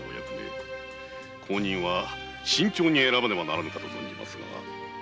後任は慎重に選ばねばならぬかと存じます。